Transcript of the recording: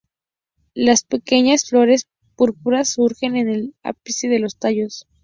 Las pequeñas flores púrpuras surgen en el ápice de los tallos.